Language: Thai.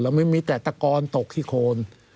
แล้วไม่มีแต่ตะกอนตกขี้โค้น